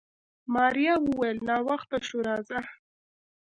ماريا وويل ناوخته شو راځه.